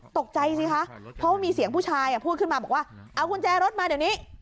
ตกใจสิคะเพราะว่ามีเสียงผู้ชายพูดขึ้นมาบอกว่าเอากุญแจรถมาเดี๋ยวนี้